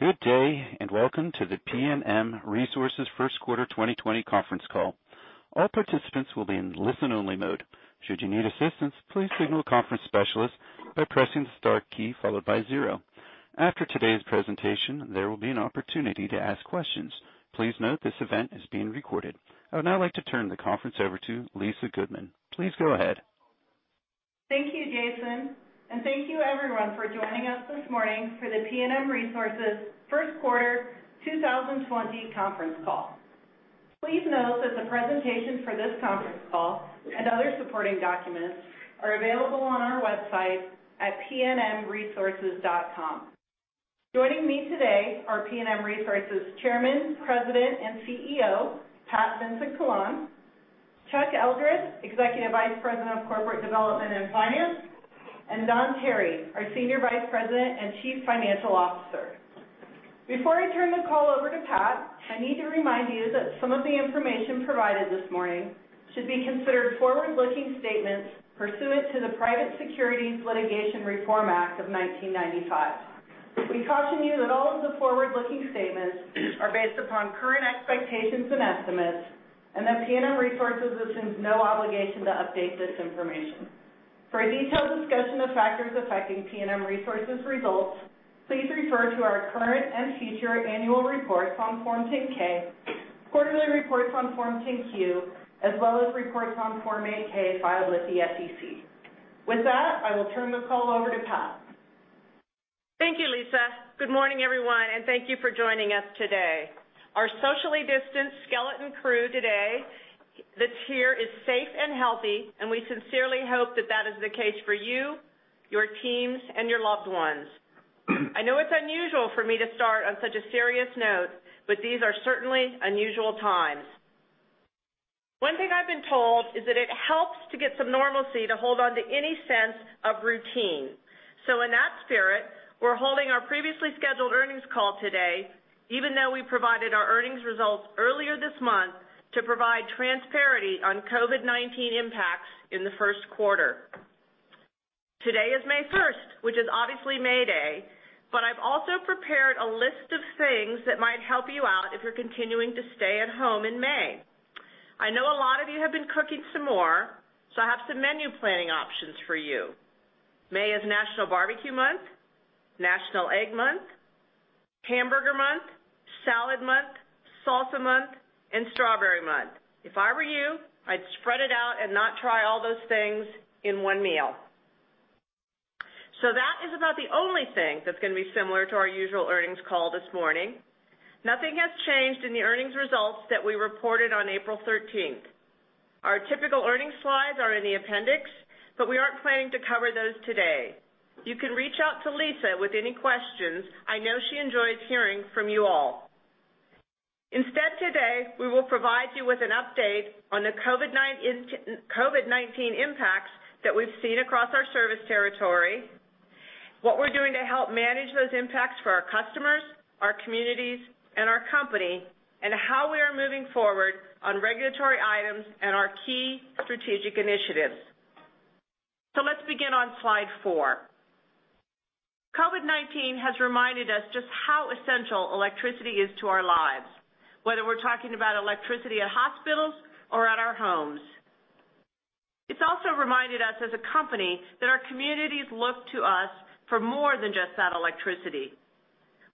Good day, and welcome to the PNM Resources first quarter 2020 conference call. All participants will be in listen-only mode. Should you need assistance, please signal a conference specialist by pressing the star key followed by zero. After today's presentation, there will be an opportunity to ask questions. Please note this event is being recorded. I would now like to turn the conference over to Lisa Goodman. Please go ahead. Thank you, Jason, thank you everyone for joining us this morning for the PNM Resources first quarter 2020 conference call. Please note that the presentation for this conference call and other supporting documents are available on our website at pnmresources.com. Joining me today are PNM Resources Chairman, President, and CEO, Pat Vincent-Collawn, Chuck Eldred, Executive Vice President of Corporate Development and Finance, and Don Tarry, our Senior Vice President and Chief Financial Officer. Before I turn the call over to Pat, I need to remind you that some of the information provided this morning should be considered forward-looking statements pursuant to the Private Securities Litigation Reform Act of 1995. We caution you that all of the forward-looking statements are based upon current expectations and estimates, and that PNM Resources assumes no obligation to update this information. For a detailed discussion of factors affecting PNM Resources results, please refer to our current and future annual reports on Form 10-K, quarterly reports on Form 10-Q, as well as reports on Form 8-K filed with the SEC. With that, I will turn the call over to Pat. Thank you, Lisa. Good morning, everyone, and thank you for joining us today. Our socially distant skeleton crew today that's here is safe and healthy, and we sincerely hope that that is the case for you, your teams, and your loved ones. I know it's unusual for me to start on such a serious note. These are certainly unusual times. One thing I've been told is that it helps to get some normalcy to hold onto any sense of routine. In that spirit, we're holding our previously scheduled earnings call today, even though we provided our earnings results earlier this month to provide transparency on COVID-19 impacts in the first quarter. Today is May 1st, which is obviously May Day, but I've also prepared a list of things that might help you out if you're continuing to stay at home in May. I know a lot of you have been cooking some more, so I have some menu planning options for you. May is National Barbecue Month, National Egg Month, Hamburger Month, Salad Month, Salsa Month, and Strawberry Month. If I were you, I'd spread it out and not try all those things in one meal. That is about the only thing that's going to be similar to our usual earnings call this morning. Nothing has changed in the earnings results that we reported on April 13th. Our typical earnings slides are in the appendix, but we aren't planning to cover those today. You can reach out to Lisa with any questions. I know she enjoys hearing from you all. Instead today, we will provide you with an update on the COVID-19 impacts that we've seen across our service territory, what we're doing to help manage those impacts for our customers, our communities, and our company, and how we are moving forward on regulatory items and our key strategic initiatives. Let's begin on slide four. COVID-19 has reminded us just how essential electricity is to our lives, whether we're talking about electricity at hospitals or at our homes. It's also reminded us as a company that our communities look to us for more than just that electricity.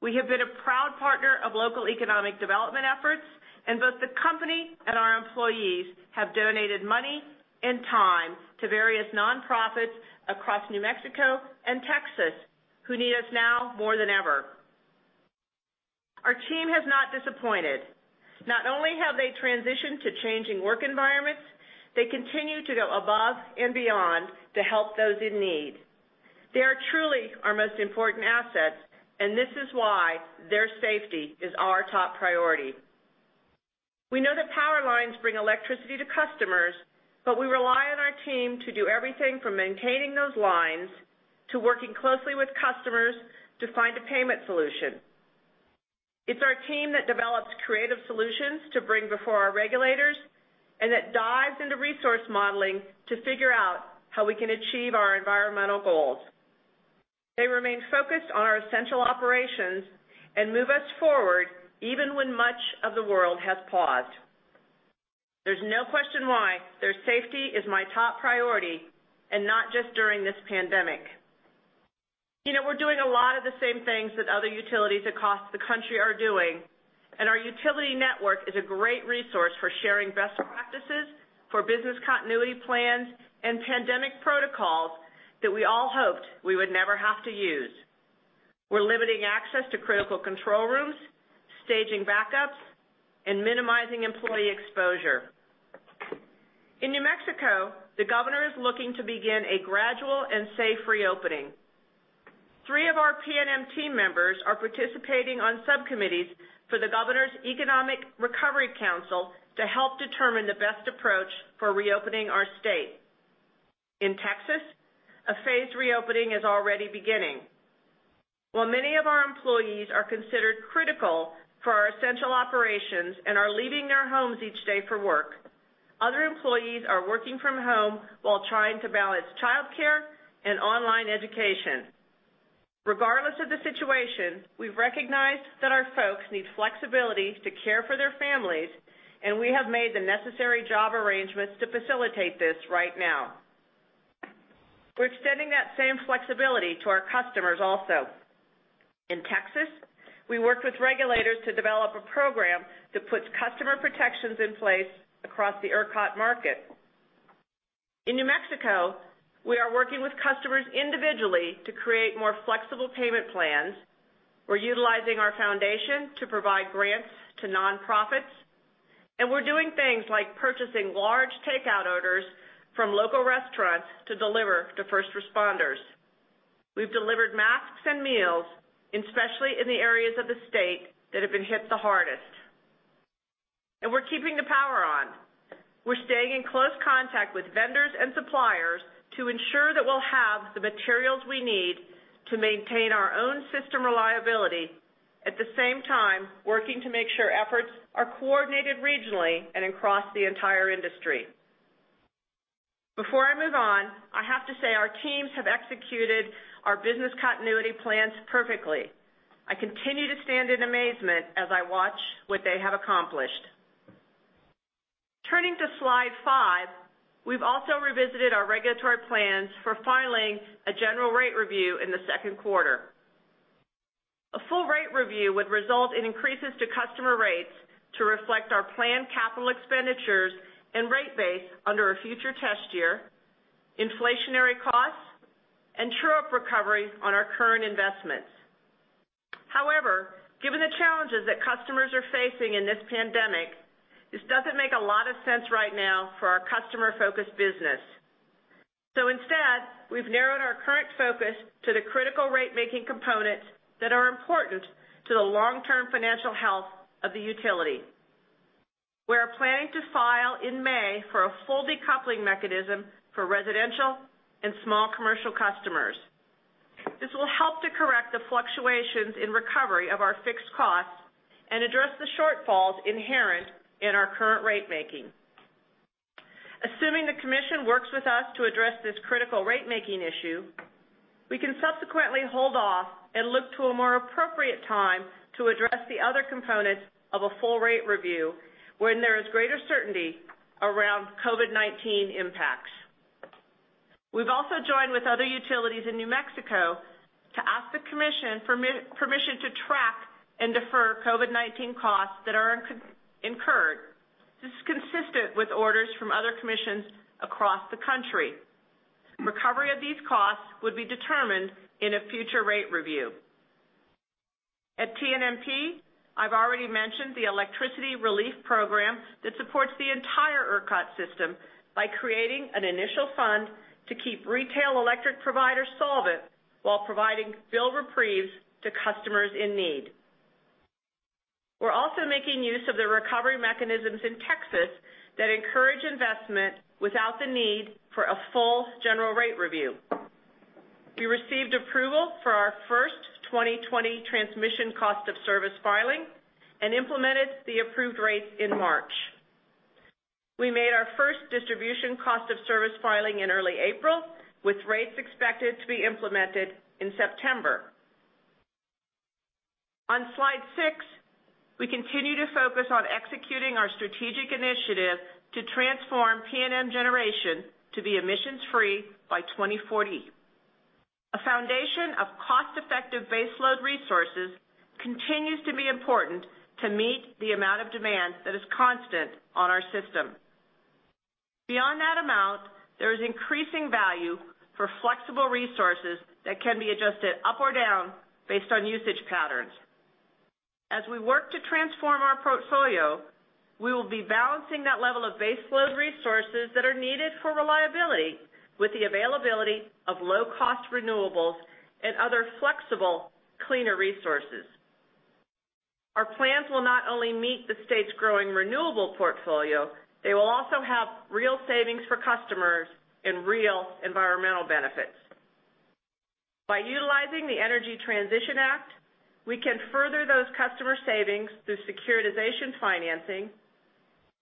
We have been a proud partner of local economic development efforts, and both the company and our employees have donated money and time to various nonprofits across New Mexico and Texas who need us now more than ever. Our team has not disappointed. Not only have they transitioned to changing work environments, they continue to go above and beyond to help those in need. They are truly our most important assets, and this is why their safety is our top priority. We know that power lines bring electricity to customers, but we rely on our team to do everything from maintaining those lines to working closely with customers to find a payment solution. It's our team that develops creative solutions to bring before our regulators, and that dives into resource modeling to figure out how we can achieve our environmental goals. They remain focused on our essential operations and move us forward even when much of the world has paused. There's no question why their safety is my top priority, and not just during this pandemic. We're doing a lot of the same things that other utilities across the country are doing, and our utility network is a great resource for sharing best practices for business continuity plans and pandemic protocols that we all hoped we would never have to use. We're limiting access to critical control rooms, staging backups, and minimizing employee exposure. In New Mexico, the governor is looking to begin a gradual and safe reopening. Three of our PNM team members are participating on subcommittees for the governor's Economic Recovery Council to help determine the best approach for reopening our state. In Texas, a phased reopening is already beginning. Many of our employees are considered essential operations and are leaving their homes each day for work. Other employees are working from home while trying to balance childcare and online education. Regardless of the situation, we've recognized that our folks need flexibility to care for their families, and we have made the necessary job arrangements to facilitate this right now. We're extending that same flexibility to our customers also. In Texas, we worked with regulators to develop a program that puts customer protections in place across the ERCOT market. In New Mexico, we are working with customers individually to create more flexible payment plans. We're utilizing our foundation to provide grants to nonprofits, and we're doing things like purchasing large takeout orders from local restaurants to deliver to first responders. We've delivered masks and meals, especially in the areas of the state that have been hit the hardest. We're keeping the power on. We're staying in close contact with vendors and suppliers to ensure that we'll have the materials we need to maintain our own system reliability. At the same time, working to make sure efforts are coordinated regionally and across the entire industry. Before I move on, I have to say our teams have executed our business continuity plans perfectly. I continue to stand in amazement as I watch what they have accomplished. Turning to slide five, we've also revisited our regulatory plans for filing a general rate review in the second quarter. A full rate review would result in increases to customer rates to reflect our planned capital expenditures and rate base under a future test year, inflationary costs, and true-up recovery on our current investments. However, given the challenges that customers are facing in this pandemic, this doesn't make a lot of sense right now for our customer-focused business. Instead, we've narrowed our current focus to the critical rate-making components that are important to the long-term financial health of the utility. We are planning to file in May for a full decoupling mechanism for residential and small commercial customers. This will help to correct the fluctuations in recovery of our fixed costs and address the shortfalls inherent in our current rate making. Assuming the Commission works with us to address this critical rate-making issue, we can subsequently hold off and look to a more appropriate time to address the other components of a full rate review when there is greater certainty around COVID-19 impacts. We've also joined with other utilities in New Mexico to ask the Commission for permission to track and defer COVID-19 costs that are incurred. This is consistent with orders from other commissions across the country. Recovery of these costs would be determined in a future rate review. At TNMP, I've already mentioned the Electricity Relief Program that supports the entire ERCOT system by creating an initial fund to keep retail electric providers solvent while providing bill reprieves to customers in need. We're also making use of the recovery mechanisms in Texas that encourage investment without the need for a full general rate review. We received approval for our first 2020 Transmission Cost of Service filing and implemented the approved rates in March. We made our first Distribution Cost of Service filing in early April, with rates expected to be implemented in September. On slide six, we continue to focus on executing our strategic initiative to transform PNM Generation to be emissions-free by 2040. A foundation of cost-effective baseload resources continues to be important to meet the amount of demand that is constant on our system. Beyond that amount, there is increasing value for flexible resources that can be adjusted up or down based on usage patterns. As we work to transform our portfolio, we will be balancing that level of baseload resources that are needed for reliability with the availability of low-cost renewables and other flexible, cleaner resources. Our plans will not only meet the state's growing renewable portfolio, they will also have real savings for customers and real environmental benefits. By utilizing the Energy Transition Act, we can further those customer savings through securitization financing,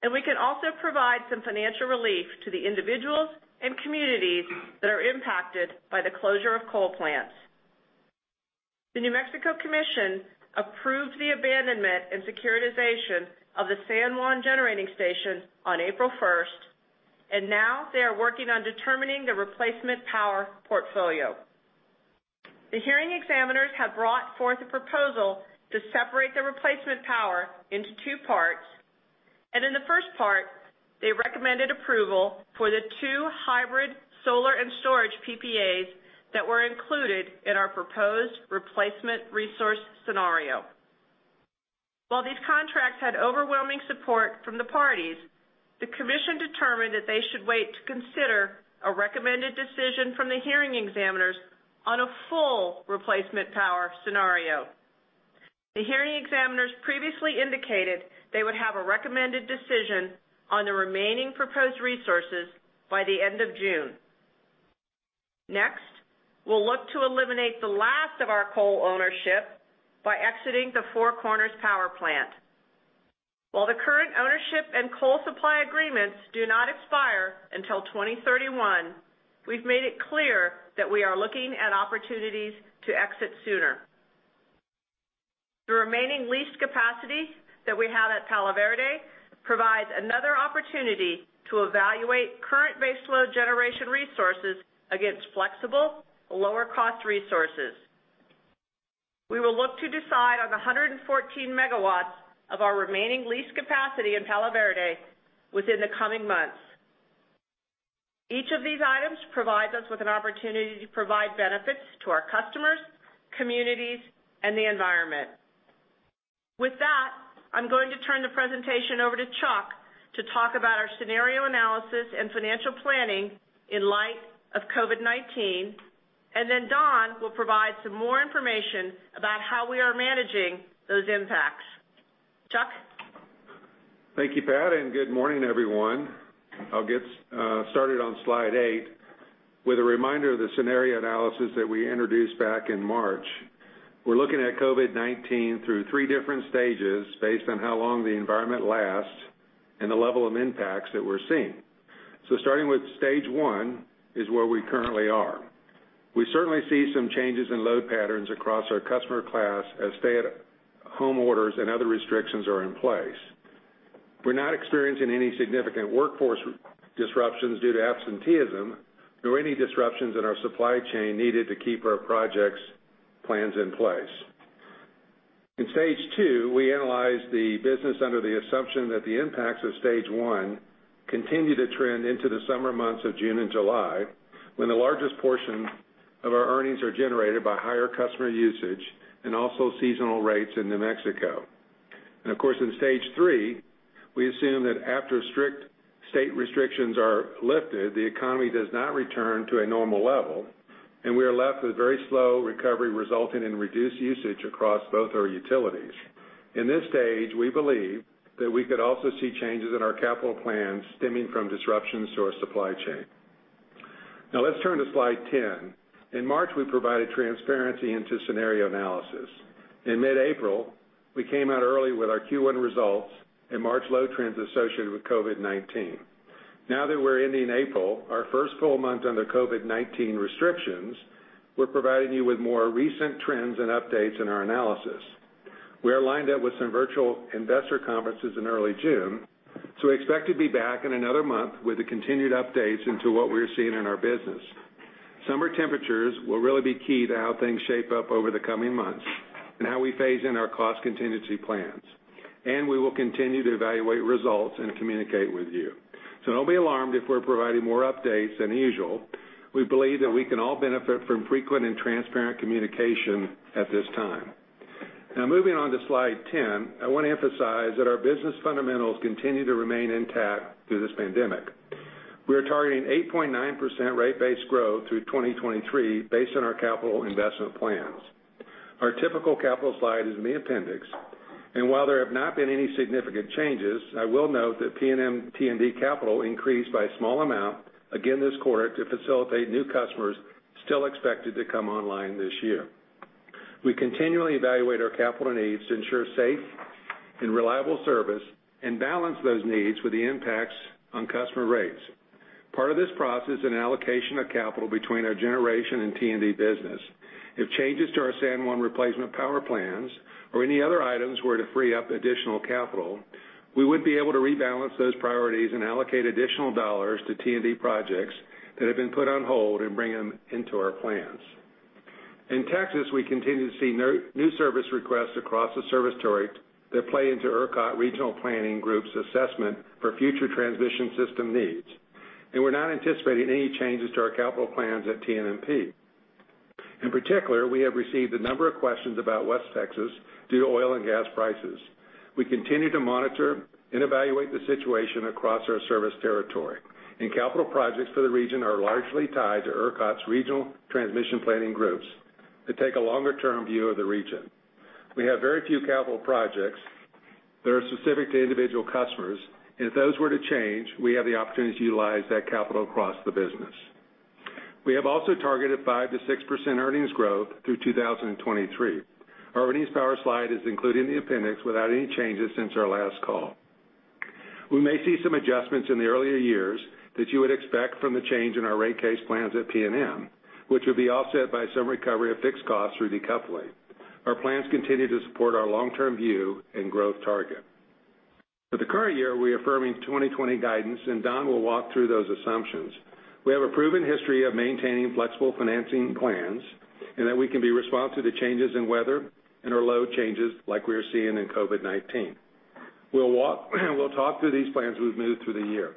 and we can also provide some financial relief to the individuals and communities that are impacted by the closure of coal plants. The New Mexico Commission approved the abandonment and securitization of the San Juan Generating Station on April first, and now they are working on determining the replacement power portfolio. The hearing examiners have brought forth a proposal to separate the replacement power into two parts. In the first part, they recommended approval for the two hybrid solar and storage PPAs that were included in our proposed replacement resource scenario. While these contracts had overwhelming support from the parties, the commission determined that they should wait to consider a recommended decision from the hearing examiners on a full replacement power scenario. The hearing examiners previously indicated they would have a recommended decision on the remaining proposed resources by the end of June. Next, we'll look to eliminate the last of our coal ownership by exiting the Four Corners Power Plant. While the current ownership and coal supply agreements do not expire until 2031, we've made it clear that we are looking at opportunities to exit sooner. The remaining leased capacity that we have at Palo Verde provides another opportunity to evaluate current baseload generation resources against flexible, lower-cost resources. We will look to decide on 114 MW of our remaining leased capacity in Palo Verde within the coming months. Each of these items provides us with an opportunity to provide benefits to our customers, communities, and the environment. With that, I'm going to turn the presentation over to Chuck to talk about our scenario analysis and financial planning in light of COVID-19, and then Don will provide some more information about how we are managing those impacts. Chuck? Thank you, Pat, and good morning, everyone. I'll get started on slide eight with a reminder of the scenario analysis that we introduced back in March. We're looking at COVID-19 through three different stages based on how long the environment lasts and the level of impacts that we're seeing. Starting with stage 1 is where we currently are. We certainly see some changes in load patterns across our customer class as stay-at-home orders and other restrictions are in place. We're not experiencing any significant workforce disruptions due to absenteeism or any disruptions in our supply chain needed to keep our projects plans in place. In stage 2, we analyze the business under the assumption that the impacts of stage 1 continue to trend into the summer months of June and July, when the largest portion of our earnings are generated by higher customer usage and also seasonal rates in New Mexico. Of course, in stage 3, we assume that after strict state restrictions are lifted, the economy does not return to a normal level, and we are left with very slow recovery resulting in reduced usage across both our utilities. In this stage, we believe that we could also see changes in our capital plans stemming from disruptions to our supply chain. Now let's turn to slide 10. In March, we provided transparency into scenario analysis. In mid-April, we came out early with our Q1 results and March load trends associated with COVID-19. Now that we're ending April, our first full month under COVID-19 restrictions, we're providing you with more recent trends and updates in our analysis. We are lined up with some virtual investor conferences in early June, we expect to be back in another month with the continued updates into what we're seeing in our business. Summer temperatures will really be key to how things shape up over the coming months and how we phase in our cost contingency plans. We will continue to evaluate results and communicate with you. Don't be alarmed if we're providing more updates than usual. We believe that we can all benefit from frequent and transparent communication at this time. Moving on to slide 10, I want to emphasize that our business fundamentals continue to remain intact through this pandemic. We are targeting 8.9% rate base growth through 2023 based on our capital investment plans. Our typical capital slide is in the appendix, and while there have not been any significant changes, I will note that PNM T&D capital increased by a small amount again this quarter to facilitate new customers still expected to come online this year. We continually evaluate our capital needs to ensure safe and reliable service and balance those needs with the impacts on customer rates. Part of this process is an allocation of capital between our generation and T&D business. If changes to our San Juan replacement power plans or any other items were to free up additional capital, we would be able to rebalance those priorities and allocate additional dollars to T&D projects that have been put on hold and bring them into our plans. In Texas, we continue to see new service requests across the service territory that play into ERCOT regional planning group's assessment for future transmission system needs. We're not anticipating any changes to our capital plans at TNMP. In particular, we have received a number of questions about West Texas due to oil and gas prices. We continue to monitor and evaluate the situation across our service territory, and capital projects for the region are largely tied to ERCOT's regional transmission planning groups that take a longer-term view of the region. We have very few capital projects that are specific to individual customers, and if those were to change, we have the opportunity to utilize that capital across the business. We have also targeted 5% to 6% earnings growth through 2023. Our earnings power slide is included in the appendix without any changes since our last call. We may see some adjustments in the earlier years that you would expect from the change in our rate case plans at PNM, which will be offset by some recovery of fixed costs through decoupling. Our plans continue to support our long-term view and growth target. For the current year, we're affirming 2020 guidance, and Don will walk through those assumptions. We have a proven history of maintaining flexible financing plans and that we can be responsive to changes in weather and our load changes like we are seeing in COVID-19. We'll talk through these plans as we move through the year.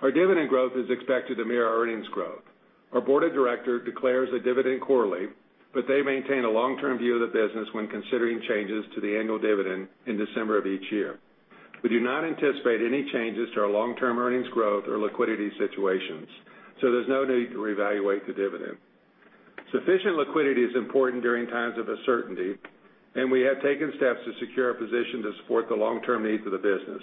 Our dividend growth is expected to mirror our earnings growth. Our board of directors declares the dividend quarterly, but they maintain a long-term view of the business when considering changes to the annual dividend in December of each year. We do not anticipate any changes to our long-term earnings growth or liquidity situations, so there's no need to reevaluate the dividend. Sufficient liquidity is important during times of uncertainty, and we have taken steps to secure a position to support the long-term needs of the business.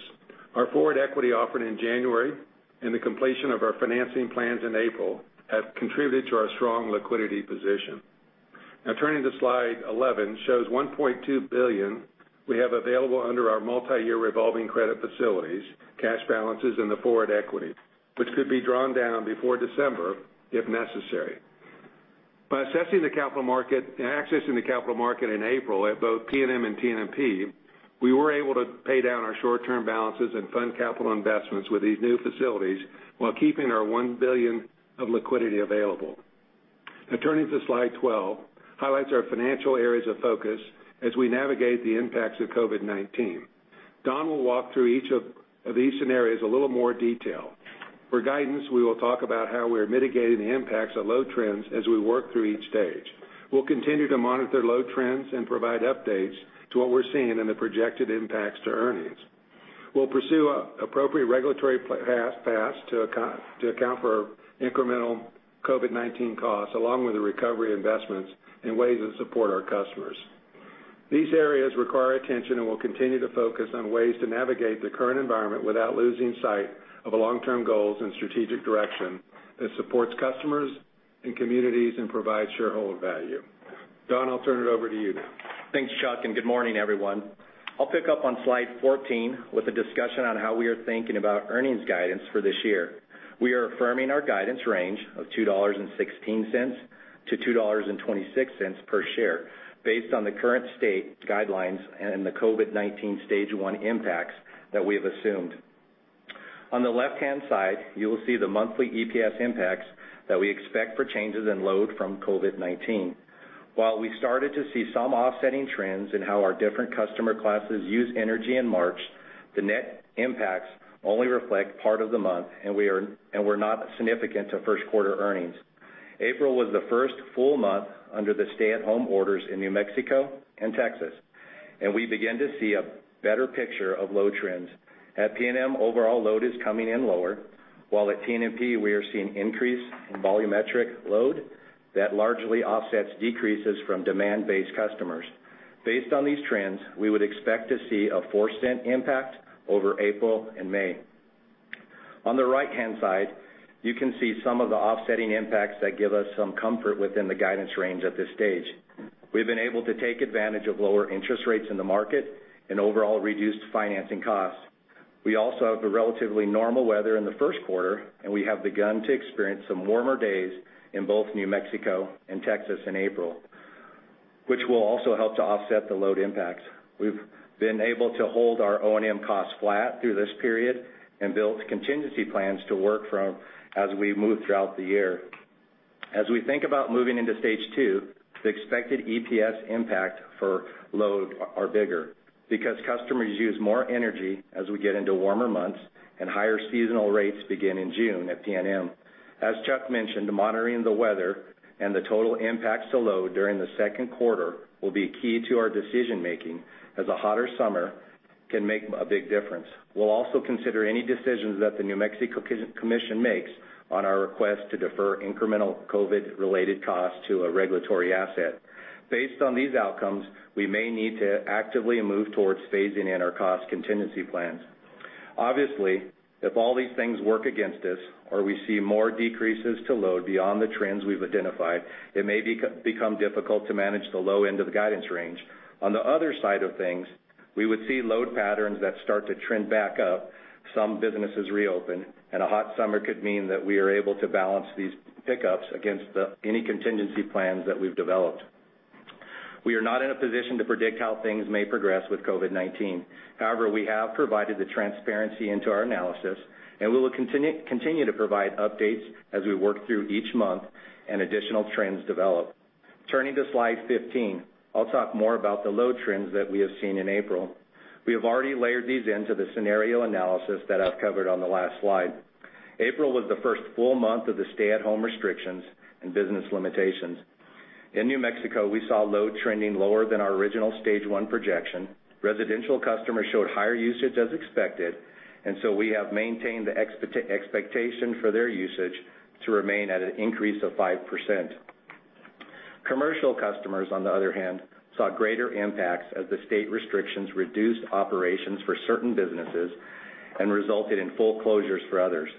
Our forward equity offering in January and the completion of our financing plans in April have contributed to our strong liquidity position. Now turning to Slide 11, shows $1.2 billion we have available under our multi-year revolving credit facilities, cash balances in the forward equity, which could be drawn down before December, if necessary. By accessing the capital market in April at both PNM and TNMP, we were able to pay down our short-term balances and fund capital investments with these new facilities while keeping our $1 billion of liquidity available. Turning to Slide 12, highlights our financial areas of focus as we navigate the impacts of COVID-19. Don will walk through each of these scenarios in a little more detail. For guidance, we will talk about how we are mitigating the impacts of load trends as we work through each stage. We'll continue to monitor load trends and provide updates to what we're seeing and the projected impacts to earnings. We'll pursue appropriate regulatory paths to account for incremental COVID-19 costs, along with the recovery investments and ways to support our customers. These areas require attention, and we'll continue to focus on ways to navigate the current environment without losing sight of the long-term goals and strategic direction that supports customers and communities and provides shareholder value. Don, I'll turn it over to you now. Thanks, Chuck, good morning, everyone. I'll pick up on Slide 14 with a discussion on how we are thinking about earnings guidance for this year. We are affirming our guidance range of $2.16-$2.26 per share based on the current state guidelines and the COVID-19 stage 1 impacts that we have assumed. On the left-hand side, you will see the monthly EPS impacts that we expect for changes in load from COVID-19. While we started to see some offsetting trends in how our different customer classes used energy in March, the net impacts only reflect part of the month, and were not significant to first quarter earnings. April was the first full month under the stay-at-home orders in New Mexico and Texas, and we begin to see a better picture of load trends. At PNM, overall load is coming in lower, while at TNMP, we are seeing increase in volumetric load that largely offsets decreases from demand-based customers. Based on these trends, we would expect to see a $0.04 impact over April and May. On the right-hand side, you can see some of the offsetting impacts that give us some comfort within the guidance range at this stage. We've been able to take advantage of lower interest rates in the market and overall reduced financing costs. We also have the relatively normal weather in the first quarter, and we have begun to experience some warmer days in both New Mexico and Texas in April, which will also help to offset the load impacts. We've been able to hold our O&M costs flat through this period and built contingency plans to work from as we move throughout the year. As we think about moving into stage 2, the expected EPS impact for load are bigger because customers use more energy as we get into warmer months and higher seasonal rates begin in June at PNM. As Chuck mentioned, monitoring the weather and the total impacts to load during the second quarter will be key to our decision-making, as a hotter summer can make a big difference. We'll also consider any decisions that the New Mexico Commission makes on our request to defer incremental COVID-related costs to a regulatory asset. Based on these outcomes, we may need to actively move towards phasing in our cost contingency plans. Obviously, if all these things work against us or we see more decreases to load beyond the trends we've identified, it may become difficult to manage the low end of the guidance range. On the other side of things, we would see load patterns that start to trend back up, some businesses reopen, and a hot summer could mean that we are able to balance these pickups against any contingency plans that we've developed. We are not in a position to predict how things may progress with COVID-19. We have provided the transparency into our analysis, and we will continue to provide updates as we work through each month and additional trends develop. Turning to Slide 15, I'll talk more about the load trends that we have seen in April. We have already layered these into the scenario analysis that I've covered on the last slide. April was the first full month of the stay-at-home restrictions and business limitations. In New Mexico, we saw load trending lower than our original stage 1 projection. Residential customers showed higher usage as expected. We have maintained the expectation for their usage to remain at an increase of 5%. Commercial customers, on the other hand, saw greater impacts as the state restrictions reduced operations for certain businesses and resulted in full closures for others.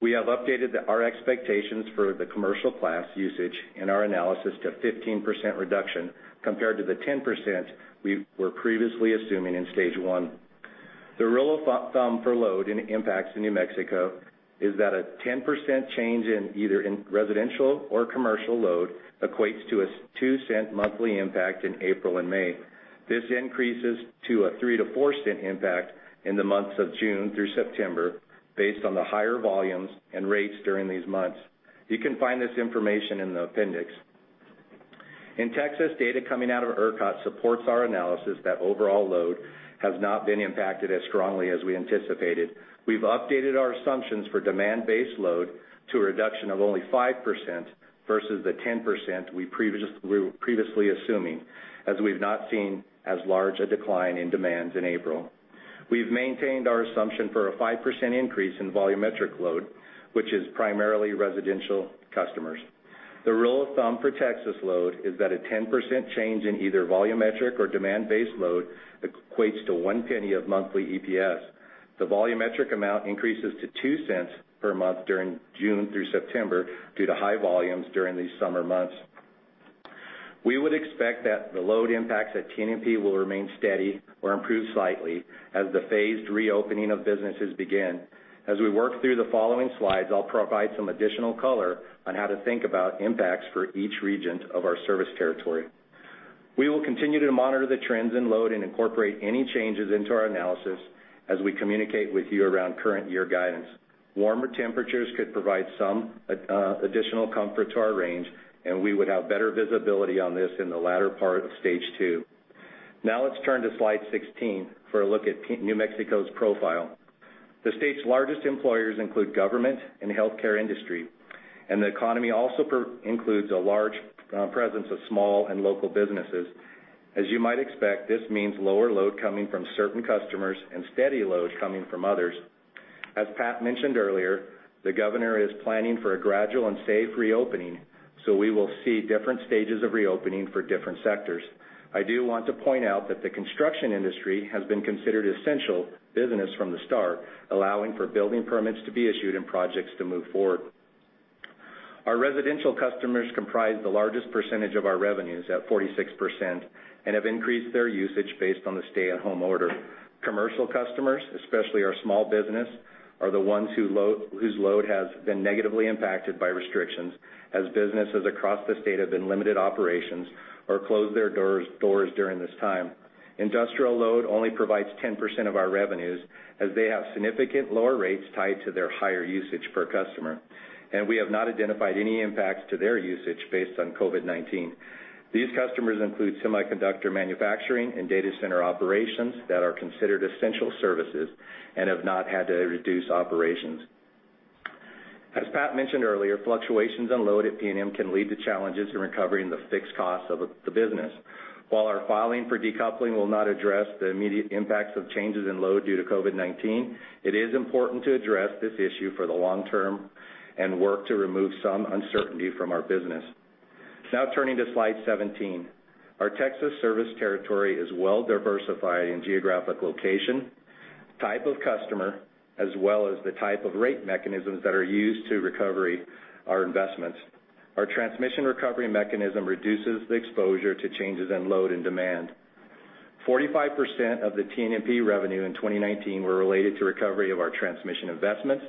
We have updated our expectations for the commercial class usage in our analysis to 15% reduction compared to the 10% we were previously assuming in stage 1. The rule of thumb for load and impacts in New Mexico is that a 10% change in either in residential or commercial load equates to a $0.02 monthly impact in April and May. This increases to a $0.03-$0.04 impact in the months of June through September based on the higher volumes and rates during these months. You can find this information in the appendix. In Texas, data coming out of ERCOT supports our analysis that overall load has not been impacted as strongly as we anticipated. We've updated our assumptions for demand-based load to a reduction of only 5% versus the 10% we were previously assuming, as we've not seen as large a decline in demands in April. We've maintained our assumption for a 5% increase in volumetric load, which is primarily residential customers. The rule of thumb for Texas load is that a 10% change in either volumetric or demand-based load equates to $0.01 of monthly EPS. The volumetric amount increases to $0.02 per month during June through September due to high volumes during these summer months. We would expect that the load impacts at TNMP will remain steady or improve slightly as the phased reopening of businesses begin. As we work through the following slides, I'll provide some additional color on how to think about impacts for each region of our service territory. We will continue to monitor the trends in load and incorporate any changes into our analysis as we communicate with you around current year guidance. Warmer temperatures could provide some additional comfort to our range, and we would have better visibility on this in the latter part of stage 2. Now let's turn to slide 16 for a look at New Mexico's profile. The state's largest employers include government and the healthcare industry, and the economy also includes a large presence of small and local businesses. As you might expect, this means lower load coming from certain customers and steady load coming from others. As Pat mentioned earlier, the governor is planning for a gradual and safe reopening, so we will see different stages of reopening for different sectors. I do want to point out that the construction industry has been considered essential business from the start, allowing for building permits to be issued and projects to move forward. Our residential customers comprise the largest percentage of our revenues at 46% and have increased their usage based on the stay-at-home order. Commercial customers, especially our small business, are the ones whose load has been negatively impacted by restrictions as businesses across the state have been limited operations or closed their doors during this time. Industrial load only provides 10% of our revenues, as they have significant lower rates tied to their higher usage per customer, and we have not identified any impacts to their usage based on COVID-19. These customers include semiconductor manufacturing and data center operations that are considered essential services and have not had to reduce operations. As Pat mentioned earlier, fluctuations in load at PNM can lead to challenges in recovering the fixed costs of the business. While our filing for decoupling will not address the immediate impacts of changes in load due to COVID-19, it is important to address this issue for the long term and work to remove some uncertainty from our business. Turning to slide 17. Our Texas service territory is well-diversified in geographic location, type of customer, as well as the type of rate mechanisms that are used to recovery our investments. Our transmission recovery mechanism reduces the exposure to changes in load and demand. 45% of the TNMP revenue in 2019 were related to recovery of our transmission investments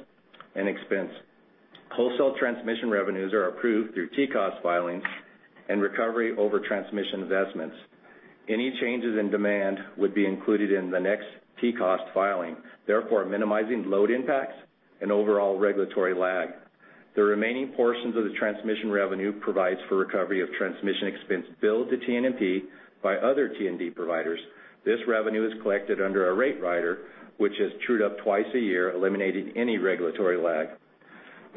and expense. Wholesale transmission revenues are approved through TCOS filings and recovery over transmission investments. Any changes in demand would be included in the next TCOS filing, therefore minimizing load impacts and overall regulatory lag. The remaining portions of the transmission revenue provides for recovery of transmission expense billed to TNMP by other TNMP providers. This revenue is collected under a rate rider, which is trued up twice a year, eliminating any regulatory lag.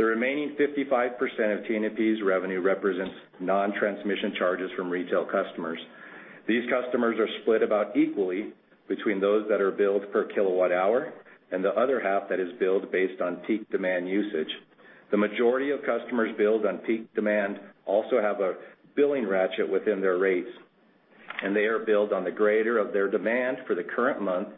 The remaining 55% of TNMP's revenue represents non-transmission charges from retail customers. These customers are split about equally between those that are billed per kilowatt hour and the other half that is billed based on peak demand usage. The majority of customers billed on peak demand also have a billing ratchet within their rates, and they are billed on the greater of their demand for the current month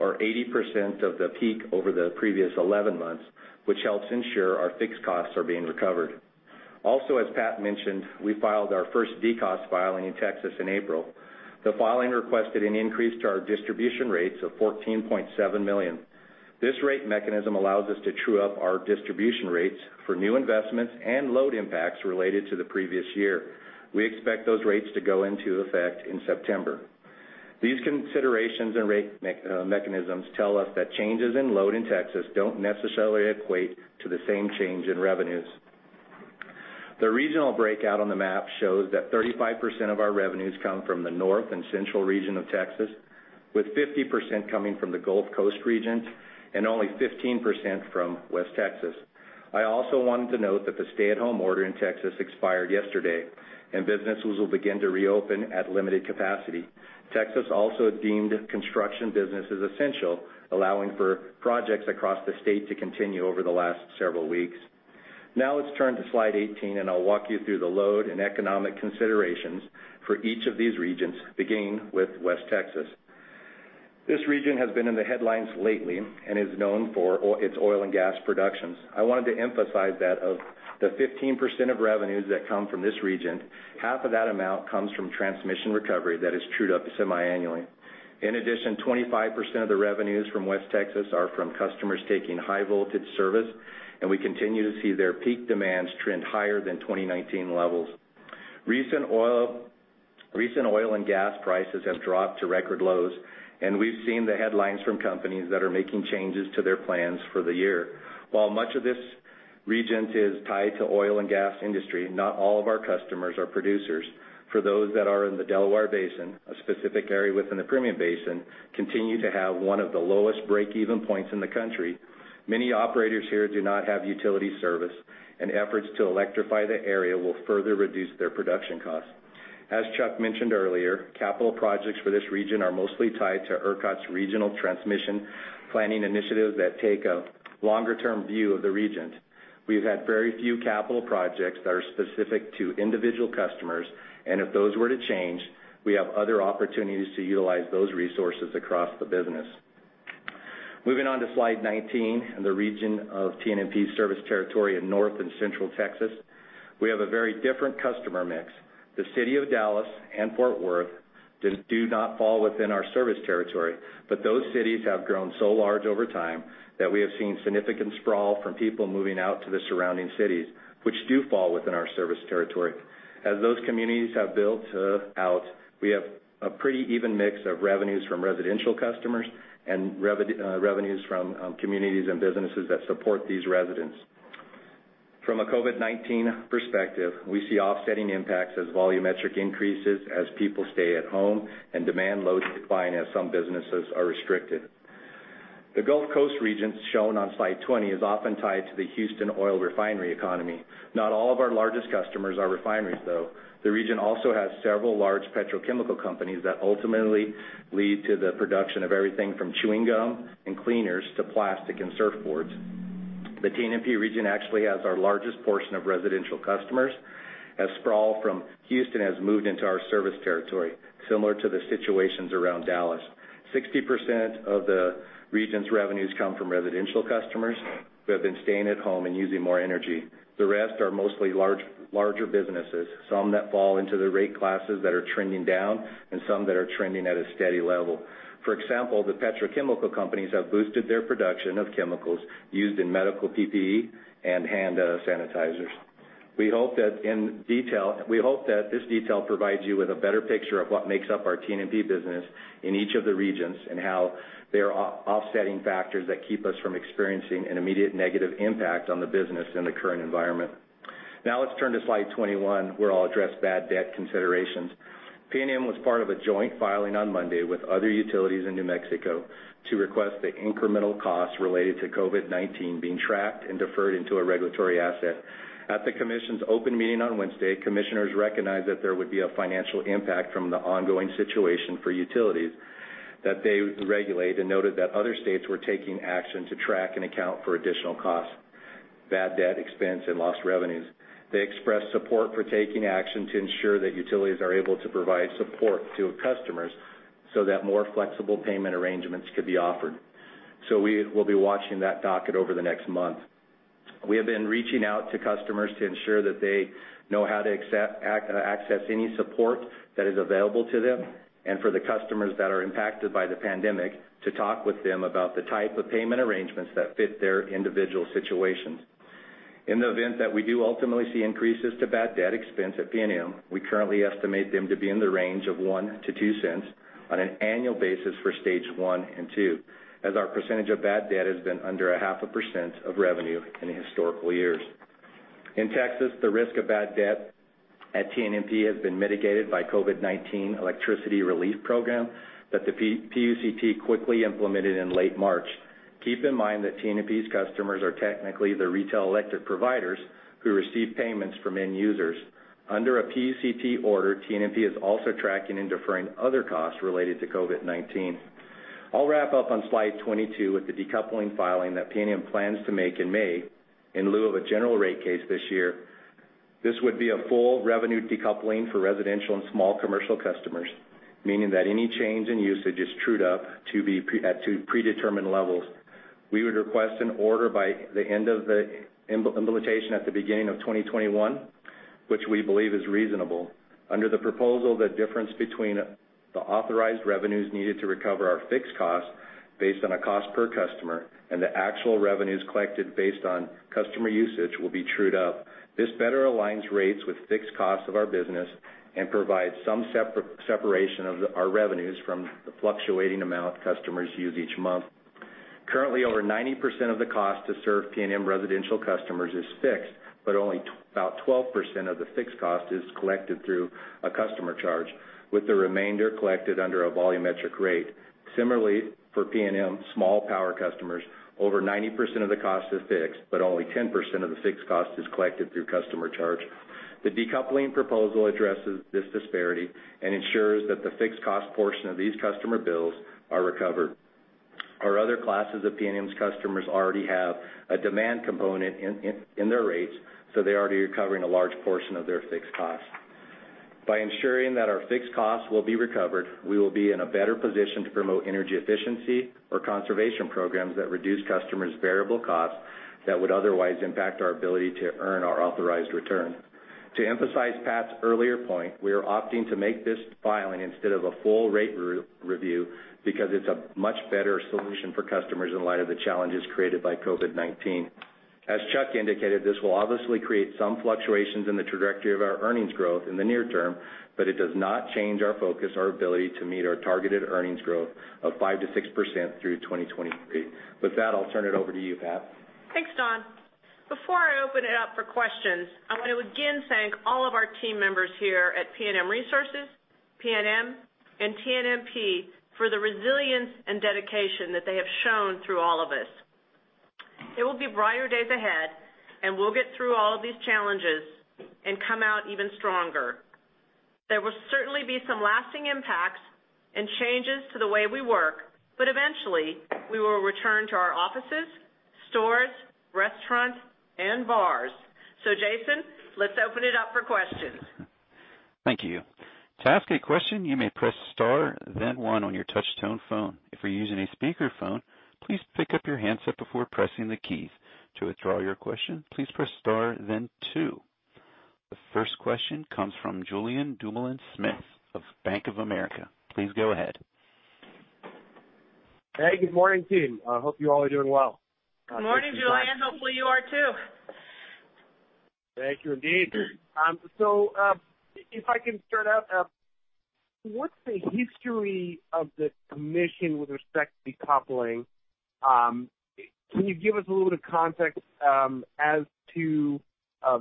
or 80% of the peak over the previous 11 months, which helps ensure our fixed costs are being recovered. As Pat mentioned, we filed our first DCOS filing in Texas in April. The filing requested an increase to our distribution rates of $14.7 million. This rate mechanism allows us to true up our distribution rates for new investments and load impacts related to the previous year. We expect those rates to go into effect in September. These considerations and rate mechanisms tell us that changes in load in Texas don't necessarily equate to the same change in revenues. The regional breakout on the map shows that 35% of our revenues come from the north and central region of Texas, with 50% coming from the Gulf Coast regions and only 15% from West Texas. I also wanted to note that the stay-at-home order in Texas expired yesterday, and businesses will begin to reopen at limited capacity. Texas also deemed construction businesses essential, allowing for projects across the state to continue over the last several weeks. Now let's turn to slide 18 and I'll walk you through the load and economic considerations for each of these regions, beginning with West Texas. This region has been in the headlines lately and is known for its oil and gas productions. I wanted to emphasize that of the 15% of revenues that come from this region, half of that amount comes from transmission recovery that is trued up semi-annually. In addition, 25% of the revenues from West Texas are from customers taking high-voltage service, and we continue to see their peak demands trend higher than 2019 levels. Recent oil and gas prices have dropped to record lows, and we've seen the headlines from companies that are making changes to their plans for the year. While much of this region is tied to oil and gas industry, not all of our customers are producers. For those that are in the Delaware Basin, a specific area within the Permian Basin, continue to have one of the lowest break-even points in the country. Many operators here do not have utility service, and efforts to electrify the area will further reduce their production costs. As Chuck mentioned earlier, capital projects for this region are mostly tied to ERCOT's regional transmission planning initiatives that take a longer-term view of the regions. We've had very few capital projects that are specific to individual customers, and if those were to change, we have other opportunities to utilize those resources across the business. Moving on to slide 19, in the region of TNMP's service territory in North and Central Texas, we have a very different customer mix. The city of Dallas and Fort Worth do not fall within our service territory, but those cities have grown so large over time that we have seen significant sprawl from people moving out to the surrounding cities, which do fall within our service territory. As those communities have built out, we have a pretty even mix of revenues from residential customers and revenues from communities and businesses that support these residents. From a COVID-19 perspective, we see offsetting impacts as volumetric increases, as people stay at home, and demand loads decline as some businesses are restricted. The Gulf Coast region, shown on slide 20, is often tied to the Houston oil refinery economy. Not all of our largest customers are refineries, though. The region also has several large petrochemical companies that ultimately lead to the production of everything from chewing gum and cleaners to plastic and surfboards. The TNMP region actually has our largest portion of residential customers, as sprawl from Houston has moved into our service territory, similar to the situations around Dallas. 60% of the region's revenues come from residential customers who have been staying at home and using more energy. The rest are mostly larger businesses, some that fall into the rate classes that are trending down and some that are trending at a steady level. For example, the petrochemical companies have boosted their production of chemicals used in medical PPE and hand sanitizers. We hope that this detail provides you with a better picture of what makes up our TNMP business in each of the regions and how they are offsetting factors that keep us from experiencing an immediate negative impact on the business in the current environment. Let's turn to slide 21, where I'll address bad debt considerations. PNM was part of a joint filing on Monday with other utilities in New Mexico to request the incremental costs related to COVID-19 being tracked and deferred into a regulatory asset. At the commission's open meeting on Wednesday, commissioners recognized that there would be a financial impact from the ongoing situation for utilities that they regulate and noted that other states were taking action to track and account for additional costs, bad debt expense, and lost revenues. They expressed support for taking action to ensure that utilities are able to provide support to customers so that more flexible payment arrangements could be offered. We'll be watching that docket over the next month. We have been reaching out to customers to ensure that they know how to access any support that is available to them, and for the customers that are impacted by the pandemic, to talk with them about the type of payment arrangements that fit their individual situations. In the event that we do ultimately see increases to bad debt expense at PNM, we currently estimate them to be in the range of $0.01-$0.02 on an annual basis for stage 1 and 2, as our percentage of bad debt has been under a half a % of revenue in historical years. In Texas, the risk of bad debt at TNMP has been mitigated by COVID-19 Electricity Relief Program that the PUCT quickly implemented in late March. Keep in mind that TNMP's customers are technically the retail electric providers who receive payments from end users. Under a PUCT order, TNMP is also tracking and deferring other costs related to COVID-19. I'll wrap up on slide 22 with the decoupling filing that PNM plans to make in May in lieu of a general rate case this year. This would be a full revenue decoupling for residential and small commercial customers, meaning that any change in usage is trued up to predetermined levels. We would request an order by the end of the implementation at the beginning of 2021, which we believe is reasonable. Under the proposal, the difference between the authorized revenues needed to recover our fixed costs based on a cost per customer and the actual revenues collected based on customer usage will be trued up. This better aligns rates with fixed costs of our business and provides some separation of our revenues from the fluctuating amount customers use each month. Currently, over 90% of the cost to serve PNM residential customers is fixed, but only about 12% of the fixed cost is collected through a customer charge, with the remainder collected under a volumetric rate. Similarly, for PNM small power customers, over 90% of the cost is fixed, but only 10% of the fixed cost is collected through customer charge. The decoupling proposal addresses this disparity and ensures that the fixed cost portion of these customer bills are recovered. Our other classes of PNM's customers already have a demand component in their rates, so they're already recovering a large portion of their fixed costs. By ensuring that our fixed costs will be recovered, we will be in a better position to promote energy efficiency or conservation programs that reduce customers' variable costs that would otherwise impact our ability to earn our authorized return. To emphasize Pat's earlier point, we are opting to make this filing instead of a full rate review because it's a much better solution for customers in light of the challenges created by COVID-19. As Chuck indicated, this will obviously create some fluctuations in the trajectory of our earnings growth in the near term, but it does not change our focus or ability to meet our targeted earnings growth of 5%-6% through 2023. With that, I'll turn it over to you, Pat. Thanks, Don. Before I open it up for questions, I want to again thank all of our team members here at PNM Resources, PNM, and TNMP for the resilience and dedication that they have shown through all of this. It will be brighter days ahead, we'll get through all of these challenges and come out even stronger. There will certainly be some lasting impacts and changes to the way we work, eventually we will return to our offices, stores, restaurants, and bars. Jason, let's open it up for questions. Thank you. To ask a question, you may press star, then one on your touch tone phone. If you are using a speaker phone, please pick up your handset before pressing the keys. To withdraw your question, please press star then two. The first question comes from Julien Dumoulin-Smith of Bank of America. Please go ahead. Hey, good morning team. I hope you all are doing well. Good morning, Julien. Hopefully, you are too. Thank you indeed. If I can start out, what's the history of the commission with respect to decoupling? Can you give us a little bit of context, as to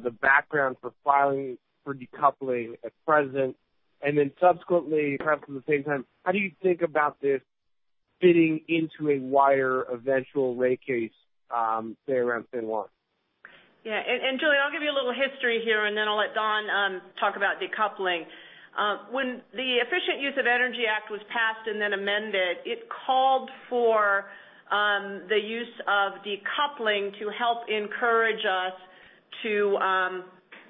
the background for filing for decoupling at present, and then subsequently, perhaps at the same time, how do you think about this fitting into a wider eventual rate case, say, [around mid-March? Yeah. Julien, I'll give you a little history here, then I'll let Don talk about decoupling. When the Efficient Use of Energy Act was passed and then amended, it called for the use of decoupling to help encourage us to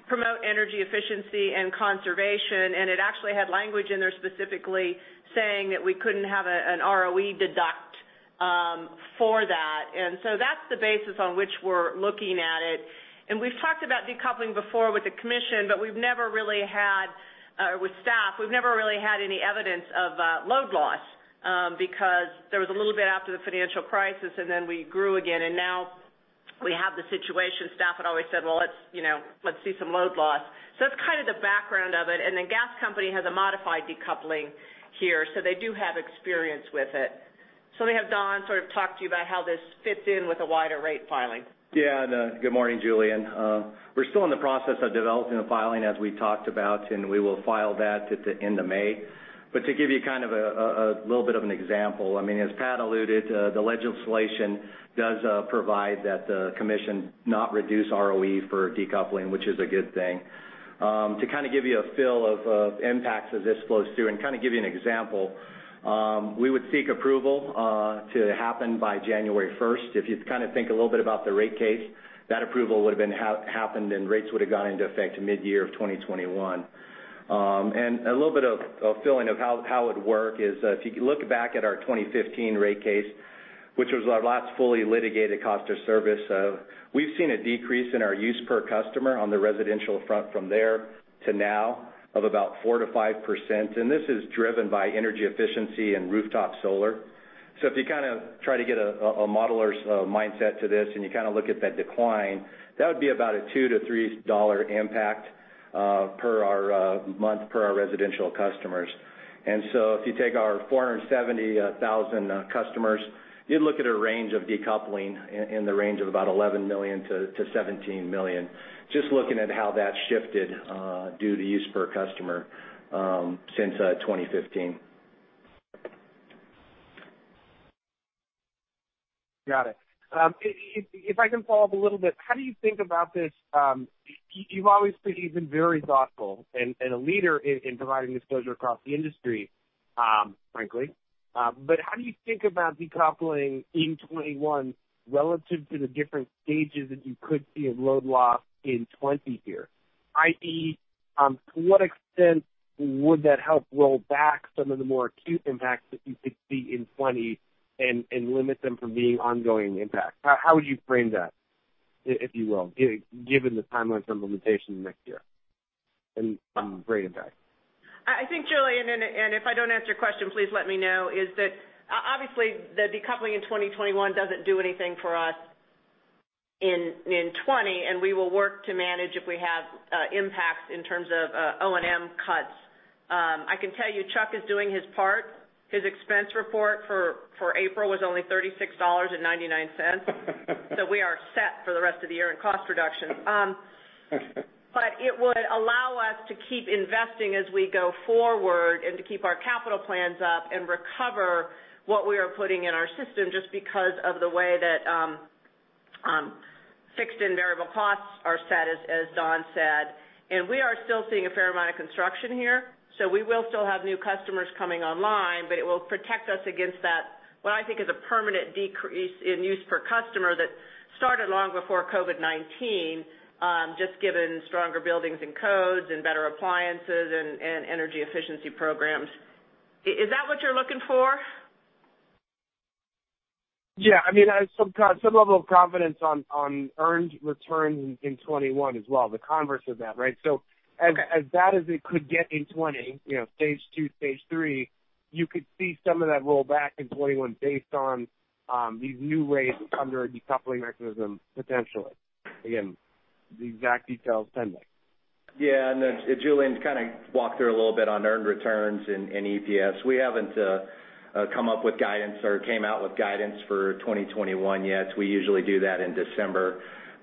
promote energy efficiency and conservation. It actually had language in there specifically saying that we couldn't have an ROE deduct for that. That's the basis on which we're looking at it. We've talked about decoupling before with the commission, but we've never really had, with staff, we've never really had any evidence of load loss, because there was a little bit after the financial crisis, and then we grew again, and now we have the situation. Staff had always said, "Well, let's see some load loss." That's kind of the background of it. Gas company has a modified decoupling here, so they do have experience with it. Let me have Don sort of talk to you about how this fits in with a wider rate filing. Good morning, Julien. We're still in the process of developing a filing, as we talked about, and we will file that at the end of May. To give you kind of a little bit of an example, as Pat alluded, the legislation does provide that the Commission not reduce ROE for decoupling, which is a good thing. To kind of give you a feel of impacts as this flows through and kind of give you an example, we would seek approval to happen by January 1st. If you kind of think a little bit about the rate case, that approval would have happened and rates would have gone into effect mid-year of 2021. A little bit of feeling of how it would work is if you look back at our 2015 rate case, which was our last fully litigated cost of service. We've seen a decrease in our use per customer on the residential front from there to now of about 4%-5%, and this is driven by energy efficiency and rooftop solar. If you kind of try to get a modeler's mindset to this, and you kind of look at that decline, that would be about a $2-$3 impact per our month per our residential customers. If you take our 470,000 customers, you'd look at a range of decoupling in the range of about $11 million-$17 million, just looking at how that shifted due to use per customer since 2015. Got it. If I can follow up a little bit, how do you think about this? You've always been very thoughtful and a leader in providing disclosure across the industry, frankly. How do you think about decoupling in 2021 relative to the different stages that you could see of load loss in 2020 here, i.e., to what extent would that help roll back some of the more acute impacts that you could see in 2020 and limit them from being ongoing impacts? How would you frame that, if you will, given the timelines for implementation next year and rate impact? I think, Julien, if I don't answer your question, please let me know, is that obviously the decoupling in 2021 doesn't do anything for us in 2020. We will work to manage if we have impacts in terms of O&M cuts. I can tell you Chuck is doing his part. His expense report for April was only $36.99. We are set for the rest of the year in cost reduction. It would allow us to keep investing as we go forward and to keep our capital plans up and recover what we are putting in our system just because of the way that fixed and variable costs are set as Don said. We are still seeing a fair amount of construction here, so we will still have new customers coming online, but it will protect us against that, what I think is a permanent decrease in use per customer that started long before COVID-19, just given stronger buildings and codes and better appliances and energy efficiency programs. Is that what you're looking for? Yeah. I have some level of confidence on earned returns in 2021 as well, the converse of that, right? Okay as bad as it could get in 2020, stage 2, stage 3, you could see some of that roll back in 2021 based on these new rates under a decoupling mechanism, potentially. Again, the exact details pending. Yeah. Julien to kind of walk through a little bit on earned returns and EPS. We haven't come up with guidance or came out with guidance for 2021 yet. We usually do that in December.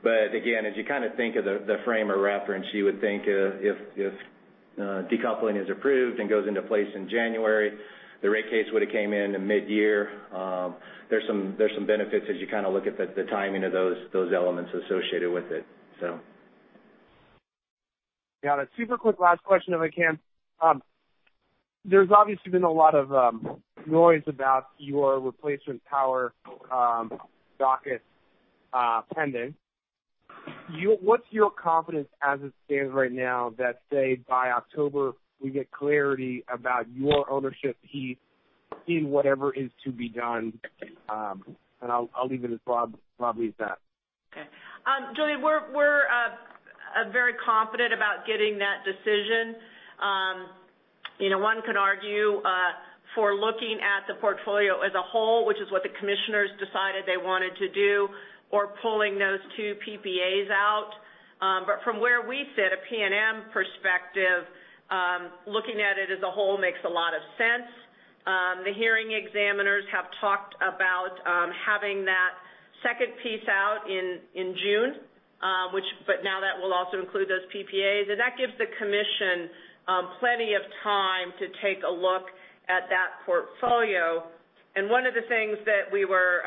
As you kind of think of the frame of reference, you would think if decoupling is approved and goes into place in January. The rate case would've came in in mid-year. There's some benefits as you look at the timing of those elements associated with it. Got it. Super quick last question if I can. There's obviously been a lot of noise about your replacement power docket pending. What's your confidence as it stands right now that, say, by October, we get clarity about your ownership piece in whatever is to be done? I'll leave it as broad leave as that. Okay. Julien, we're very confident about getting that decision. One could argue for looking at the portfolio as a whole, which is what the commissioners decided they wanted to do, or pulling those two PPAs out. From where we sit, a PNM perspective, looking at it as a whole makes a lot of sense. The hearing examiners have talked about having that second piece out in June, now that will also include those PPAs. That gives the commission plenty of time to take a look at that portfolio. One of the things that we were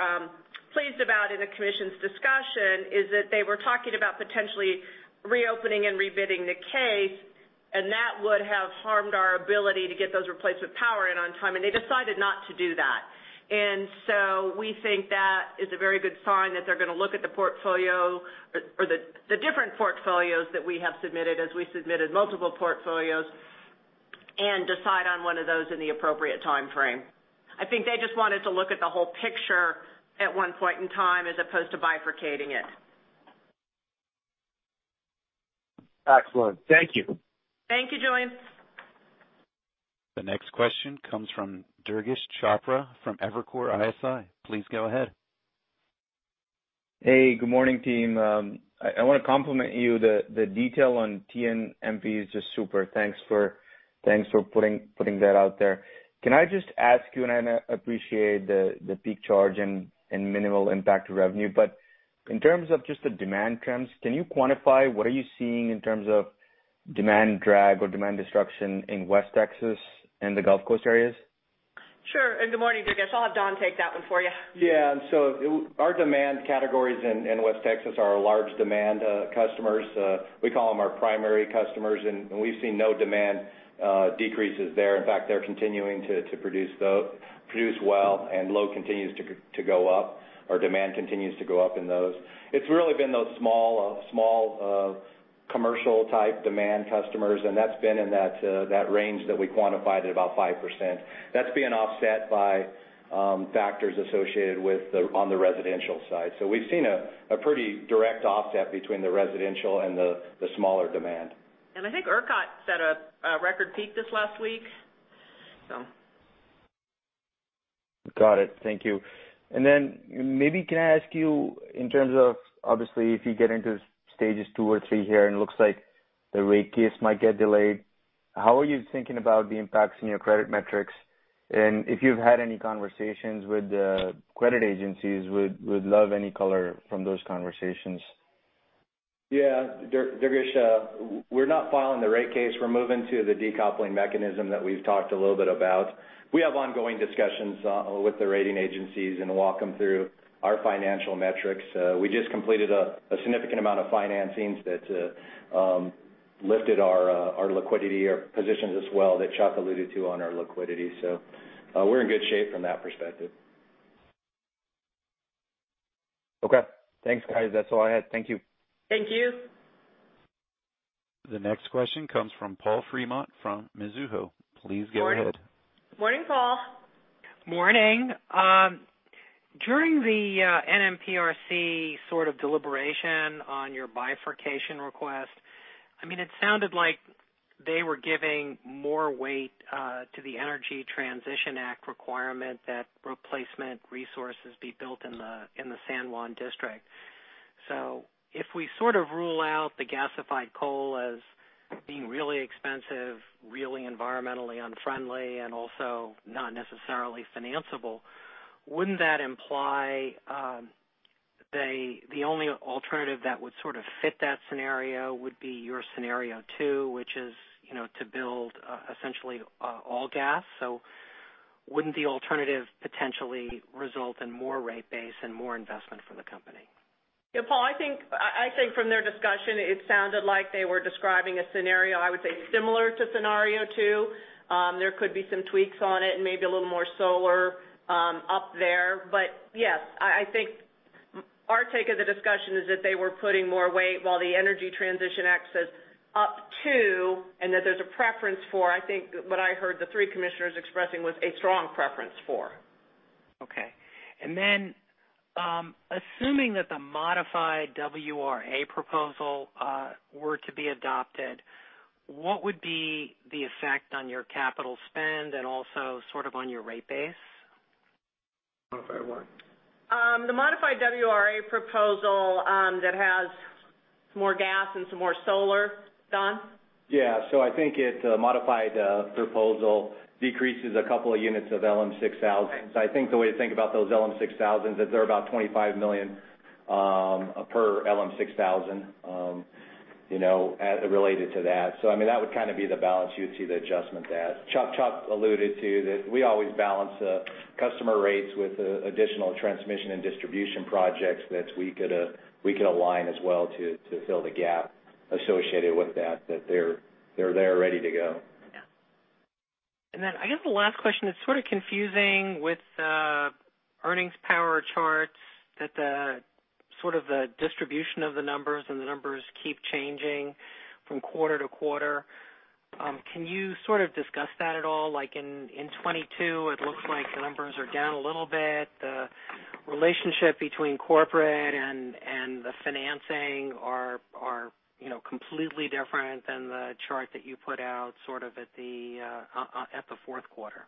pleased about in the commission's discussion is that they were talking about potentially reopening and rebidding the case, and that would have harmed our ability to get those replacement power in on time. They decided not to do that. We think that is a very good sign that they're going to look at the portfolio or the different portfolios that we have submitted, as we submitted multiple portfolios, and decide on one of those in the appropriate timeframe. I think they just wanted to look at the whole picture at one point in time as opposed to bifurcating it. Excellent. Thank you. Thank you, Julien. The next question comes from Durgesh Chopra from Evercore ISI. Please go ahead. Hey, good morning, team. I want to compliment you. The detail on TNMP is just super. Thanks for putting that out there. Can I just ask you, and I appreciate the peak charge and minimal impact to revenue, but in terms of just the demand trends, can you quantify what are you seeing in terms of demand drag or demand destruction in West Texas and the Gulf Coast areas? Sure. Good morning, Durgesh. I'll have Don take that one for you. Yeah. Our demand categories in West Texas are our large demand customers. We call them our primary customers, and we've seen no demand decreases there. In fact, they're continuing to produce well, and load continues to go up or demand continues to go up in those. It's really been those small commercial-type demand customers, and that's been in that range that we quantified at about 5%. That's being offset by factors associated with on the residential side. We've seen a pretty direct offset between the residential and the smaller demand. I think ERCOT set a record peak this last week. Got it. Thank you. Maybe can I ask you in terms of, obviously, if you get into stages 2 or 3 here, and it looks like the rate case might get delayed, how are you thinking about the impacts in your credit metrics? If you've had any conversations with credit agencies, would love any color from those conversations. Yeah. Durgesh, we're not filing the rate case. We're moving to the decoupling mechanism that we've talked a little bit about. We have ongoing discussions with the rating agencies and walk them through our financial metrics. We just completed a significant amount of financings that lifted our liquidity, our positions as well, that Chuck alluded to on our liquidity. We're in good shape from that perspective. Okay. Thanks, guys. That's all I had. Thank you. Thank you. The next question comes from Paul Fremont from Mizuho. Please go ahead. Morning, Paul. Morning. During the NMPRC sort of deliberation on your bifurcation request, it sounded like they were giving more weight to the Energy Transition Act requirement that replacement resources be built in the San Juan District. If we sort of rule out the gasified coal as being really expensive, really environmentally unfriendly, and also not necessarily financeable, wouldn't that imply the only alternative that would sort of fit that scenario would be your Scenario 2, which is to build essentially all gas? Wouldn't the alternative potentially result in more rate base and more investment from the company? Yeah, Paul, I think from their discussion, it sounded like they were describing a scenario, I would say, similar to Scenario 2. There could be some tweaks on it and maybe a little more solar up there. Yes, I think our take of the discussion is that they were putting more weight while the Energy Transition Act says up to, and that there's a preference for, I think what I heard the three commissioners expressing was a strong preference for. Okay. Assuming that the modified WRA proposal were to be adopted, what would be the effect on your capital spend and also sort of on your rate base? Modified what? The modified WRA proposal that has some more gas and some more solar. Don? Yeah. I think it, modified proposal, decreases two units of LM6000. I think the way to think about those LM6000 is they're about $25 million per LM6000 related to that. Chuck alluded to that we always balance customer rates with additional transmission and distribution projects that we could align as well to fill the gap associated with that they're there ready to go. Yeah. Then I guess the last question, it's sort of confusing with the earnings power charts, that the distribution of the numbers and the numbers keep changing from quarter to quarter. Can you sort of discuss that at all? Like in 2022, it looks like the numbers are down a little bit. The relationship between corporate and the financing are completely different than the chart that you put out sort of at the fourth quarter.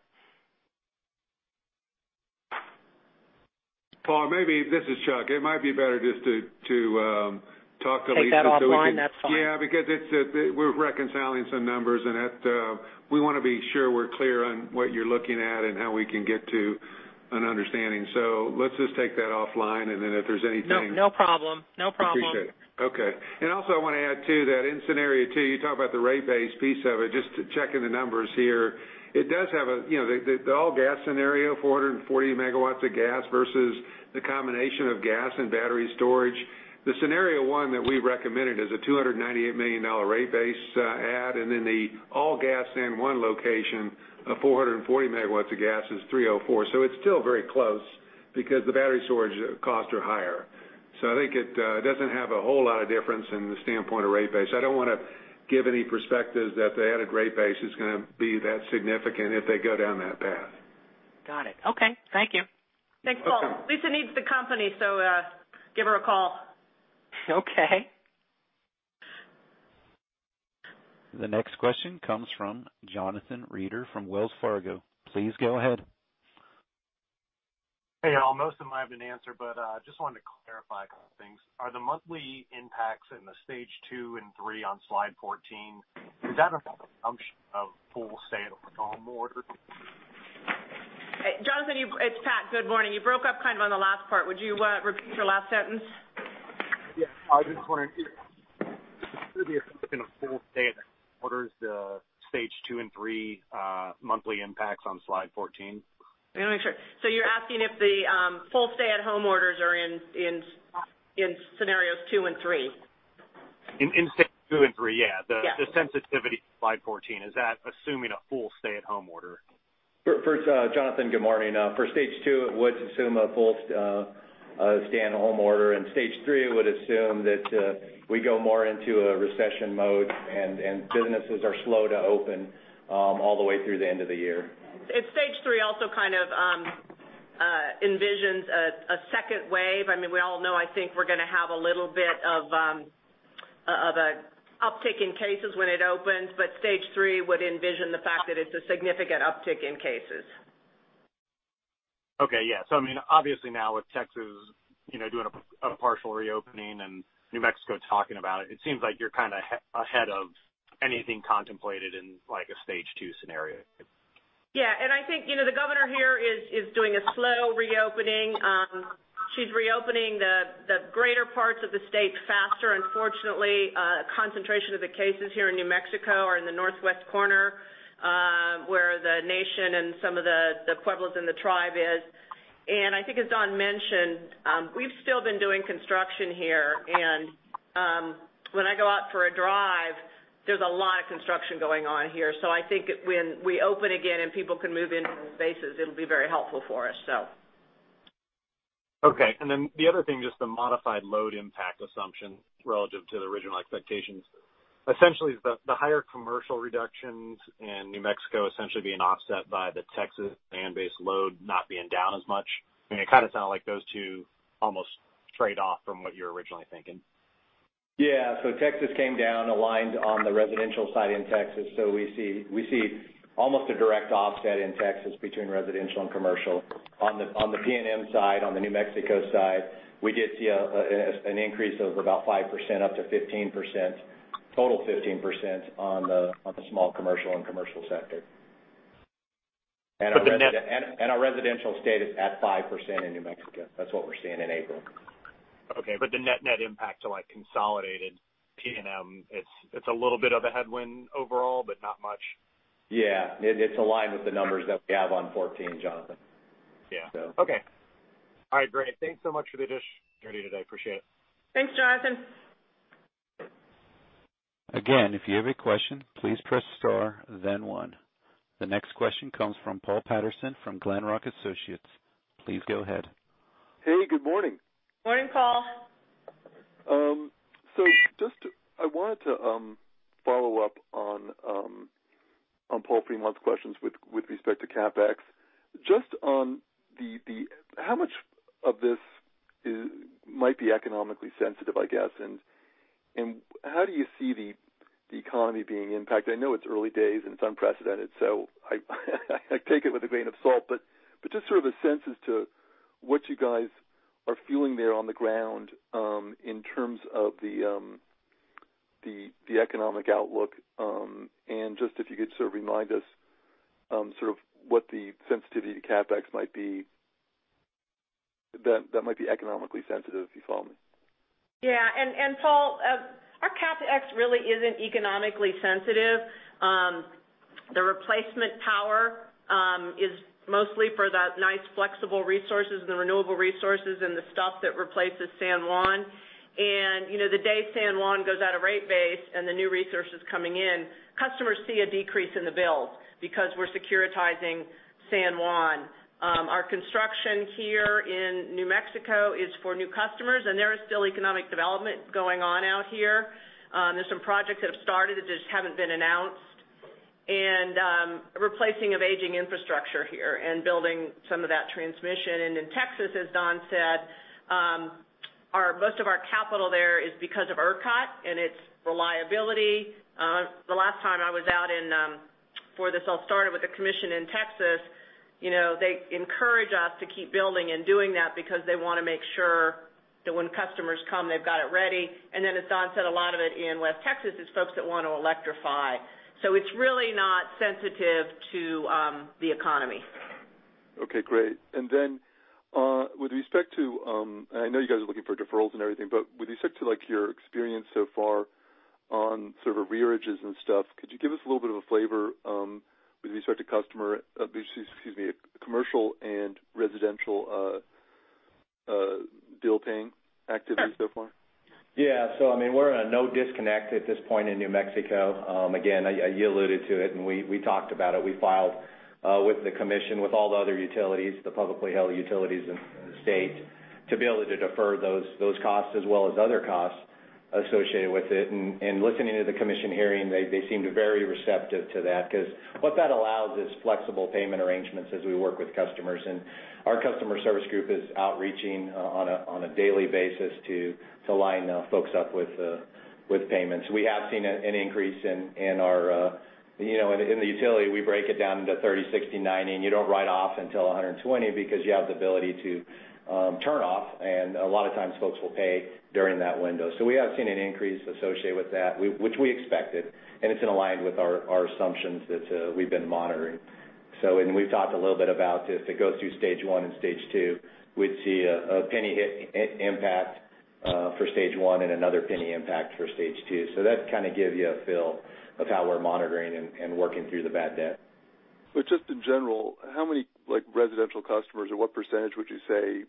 Paul, this is Chuck. It might be better just to talk to Lisa. Take that offline. That's fine. Yeah, because we're reconciling some numbers, and we want to be sure we're clear on what you're looking at and how we can get to an understanding. Let's just take that offline, and then if there's anything. No problem. Appreciate it. Okay. Also I want to add too, that in scenario two, you talk about the rate base piece of it. Just checking the numbers here. The all gas scenario, 440 MW of gas versus the combination of gas and battery storage. The scenario one that we recommended is a $298 million rate base add, and then the all gas in one location of 440 MW of gas is $304 million. It's still very close because the battery storage costs are higher. I think it doesn't have a whole lot of difference in the standpoint of rate base. I don't want to give any perspectives that the added rate base is going to be that significant if they go down that path. Got it. Okay. Thank you. Thanks, Paul. Lisa needs the company, so give her a call. Okay. The next question comes from Jonathan Reeder from Wells Fargo. Please go ahead. Hey, y'all. Most of them I have an answer, but just wanted to clarify a couple things. Are the monthly impacts in the stage 2 and 3 on slide 14, does that have the assumption of full stay-at-home order? Jonathan, it's Pat. Good morning. You broke up kind of on the last part. Would you repeat your last sentence? Yeah. I just wondered if the assumption of full stay-at-home orders, the stage 2 and 3 monthly impacts on slide 14. I want to make sure. You're asking if the full stay-at-home orders are in scenarios 2 and 3? In stage 2 and 3, yeah. Yeah. The sensitivity to slide 14, is that assuming a full stay-at-home order? Jonathan, good morning. For stage 2, it would assume a full stay-at-home order. Stage 3 would assume that we go more into a recession mode and businesses are slow to open all the way through the end of the year. Stage 3 also kind of envisions a second wave. We all know, I think we're going to have a little bit of an uptick in cases when it opens, but stage 3 would envision the fact that it's a significant uptick in cases. Okay. Yeah. Obviously now with Texas doing a partial reopening and New Mexico talking about it seems like you're kind of ahead of anything contemplated in a stage 2 scenario. Yeah. I think the governor here is doing a slow reopening. She's reopening the greater parts of the state faster. Unfortunately, concentration of the cases here in New Mexico are in the northwest corner where the nation and some of the Pueblos and the Tribe is. I think as Don mentioned, we've still been doing construction here, and when I go out for a drive, there's a lot of construction going on here. I think when we open again and people can move into those bases, it'll be very helpful for us. Okay. The other thing, just the modified load impact assumption relative to the original expectations. Essentially the higher commercial reductions in New Mexico essentially being offset by the Texas firm base load not being down as much. It kind of sound like those two almost trade off from what you were originally thinking. Texas came down aligned on the residential side in Texas. We see almost a direct offset in Texas between residential and commercial. On the PNM side, on the New Mexico side, we did see an increase of about 5% up to 15%, total 15% on the small commercial and commercial sector. Our residential stayed at 5% in New Mexico. That's what we're seeing in April. Okay. The net impact to like consolidated TNMP, it's a little bit of a headwind overall, but not much. It's aligned with the numbers that we have on 14, Jonathan. Yeah. Okay. All right, great. Thanks so much for the opportunity today. Appreciate it. Thanks, Jonathan. Again, if you have a question, please press star then one. The next question comes from Paul Patterson from Glenrock Associates. Please go ahead. Hey, good morning. Morning, Paul. Just I wanted to follow up on Paul Fremont's questions with respect to CapEx. Just on how much of this might be economically sensitive, I guess, and how do you see the economy being impacted? I know it's early days and it's unprecedented, so I take it with a grain of salt. Just sort of a sense as to what you guys are feeling there on the ground in terms of the economic outlook. Just if you could sort of remind us what the sensitivity to CapEx might be, that might be economically sensitive, if you follow me. Yeah. Paul, our CapEx really isn't economically sensitive. The replacement power is mostly for the nice flexible resources, the renewable resources, and the stuff that replaces San Juan. The day San Juan goes out of rate base and the new resource is coming in, customers see a decrease in the bills because we're securitizing San Juan. Our construction here in New Mexico is for new customers. There is still economic development going on out here. There's some projects that have started that just haven't been announced. Replacing of aging infrastructure here and building some of that transmission. In Texas, as Don said, most of our capital there is because of ERCOT and its reliability. The last time I was out before this all started with the Commission in Texas, they encourage us to keep building and doing that because they want to make sure that when customers come, they've got it ready. Then as Don said, a lot of it in West Texas is folks that want to electrify. It's really not sensitive to the economy. Okay, great. With respect to, and I know you guys are looking for deferrals and everything, but with respect to your experience so far on sort of arrearages and stuff, could you give us a little bit of a flavor with respect to commercial and residential bill paying activity so far? I mean, we're in a no disconnect at this point in New Mexico. Again, you alluded to it, and we talked about it. We filed with the Commission, with all the other utilities, the publicly held utilities in the state, to be able to defer those costs as well as other costs associated with it. Listening to the Commission hearing, they seemed very receptive to that because what that allows is flexible payment arrangements as we work with customers. Our customer service group is outreaching on a daily basis to line folks up with payments. We have seen an increase in the utility. We break it down into 30, 60, 90, and you don't write off until 120 because you have the ability to turn off, and a lot of times folks will pay during that window. We have seen an increase associated with that, which we expected, and it's aligned with our assumptions that we've been monitoring. We've talked a little bit about if it goes through stage 1 and stage 2, we'd see a $0.01 hit impact for stage 1 and another $0.01 impact for stage 2. That kind of gives you a feel of how we're monitoring and working through the bad debt. Just in general, how many residential customers or what percentage would you say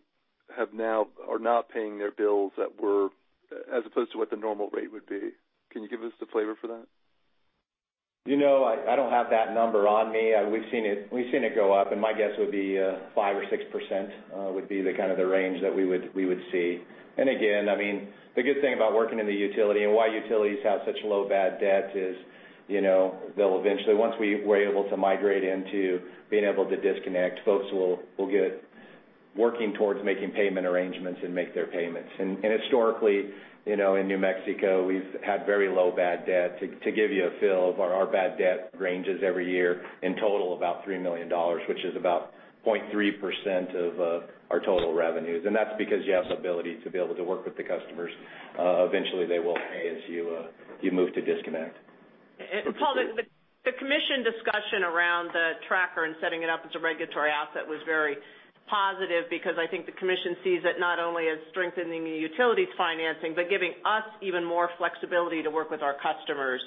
are now not paying their bills as opposed to what the normal rate would be? Can you give us the flavor for that? I don't have that number on me. We've seen it go up. My guess would be 5% or 6% would be the kind of the range that we would see. Again, I mean, the good thing about working in the utility and why utilities have such low bad debt is they'll eventually, once we're able to migrate into being able to disconnect, folks will get working towards making payment arrangements and make their payments. Historically, in New Mexico, we've had very low bad debt. To give you a feel of our bad debt ranges every year in total about $3 million, which is about 0.3% of our total revenues. That's because you have the ability to be able to work with the customers. Eventually they will pay as you move to disconnect. Paul, the commission discussion around the tracker and setting it up as a regulatory asset was very positive because I think the commission sees it not only as strengthening the utilities financing, but giving us even more flexibility to work with our customers.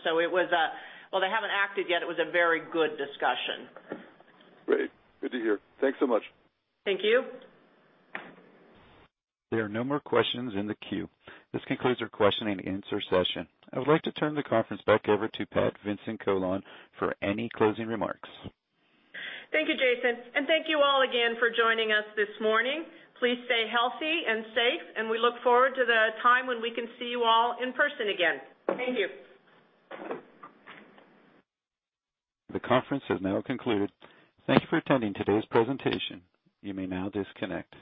While they haven't acted yet, it was a very good discussion. Great. Good to hear. Thanks so much. Thank you. There are no more questions in the queue. This concludes our question and answer session. I would like to turn the conference back over to Pat Vincent-Collawn for any closing remarks. Thank you, Jason. Thank you all again for joining us this morning. Please stay healthy and safe, and we look forward to the time when we can see you all in person again. Thank you. The conference has now concluded. Thank you for attending today's presentation. You may now disconnect.